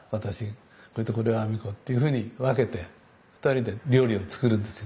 これとこれは阿美子っていうふうに分けて２人で料理を作るんですよ